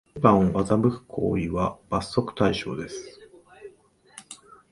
審判を欺く行為は罰則対象です